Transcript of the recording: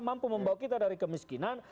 mampu membawa kita dari kemiskinan